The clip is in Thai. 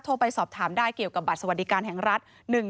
ไปสอบถามได้เกี่ยวกับบัตรสวัสดิการแห่งรัฐ